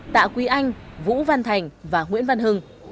tạ quý anh vũ văn thành và nguyễn văn hưng